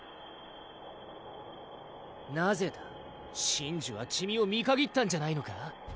神樹はチミを見限ったんじゃないのか？